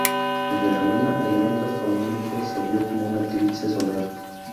Desde la Luna, el evento astronómico se vio como un eclipse solar.